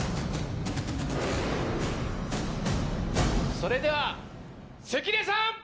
それでは関根さん！